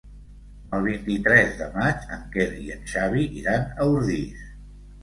El vint-i-tres de maig en Quer i en Xavi iran a Ordis.